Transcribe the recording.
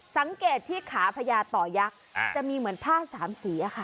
สังเกตที่ขาพญาต่อยักษ์จะมีเหมือนผ้าสามสีค่ะ